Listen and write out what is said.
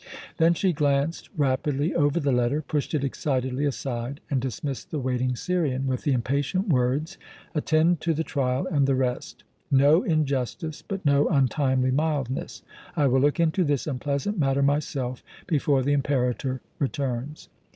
Then she glanced rapidly over the letter, pushed it excitedly aside, and dismissed the waiting Syrian with the impatient words: "Attend to the trial and the rest. No injustice, but no untimely mildness. I will look into this unpleasant matter myself before the Imperator returns."